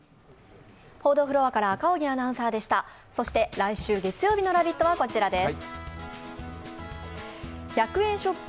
来週月曜日の「ラヴィット！」はこちらです。